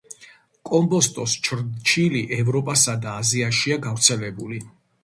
კომბოსტოს ჩრჩილი ევროპასა და აზიაშია გავრცელებული.